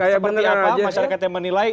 seperti apa masyarakat yang menilai